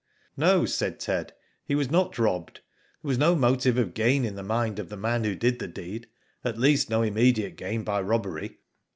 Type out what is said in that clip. ''No," said Ted. "He was not robbed. There was no motive of gain in the mind of the man who did the deed. At least no immediate gain by robbery.